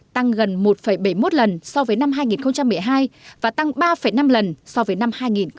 tăng gần một bảy mươi một lần so với năm hai nghìn một mươi hai và tăng ba năm lần so với năm hai nghìn tám